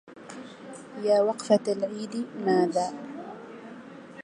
يا وقفة العيد ماذا